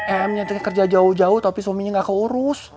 em nya te kerja jauh jauh tapi suaminya nggak keurus